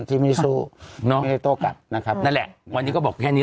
ที่ไม่สู้เนาะไม่ได้โต้กลับนะครับนั่นแหละวันนี้ก็บอกแค่นี้